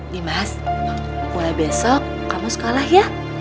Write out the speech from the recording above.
dimas mulai besok kamu sekolah ya